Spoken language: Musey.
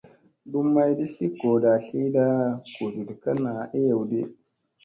Dum maydi tli goo caɗa tliyɗa guɗuɗ ka naa eyew di.